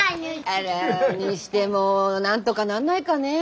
あらにしてもなんとかなんないかね？